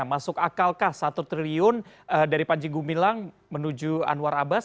masuk akalkah satu triliun dari panji gumilang menuju anwar abbas